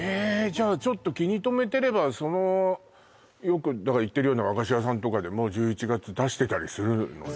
じゃあちょっと気にとめてればそのよく行ってるような和菓子屋さんとかでも１１月出してたりするのね